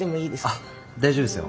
あっ大丈夫ですよ。